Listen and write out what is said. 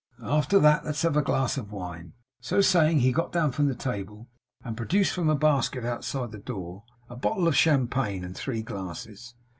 After that, let's have a glass of wine!' So saying, he got down from the table, and produced, from a basket outside the door, a bottle of champagne, and three glasses.